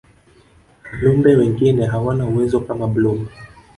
viumbe wengine hawana uwezo kama blob